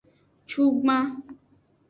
Cugban.